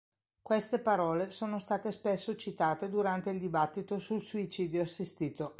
Queste parole sono state spesso citate durante il dibattito sul suicidio assistito.